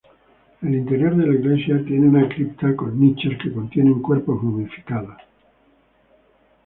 El interior de la iglesia tiene una cripta con nichos que contienen cuerpos momificados.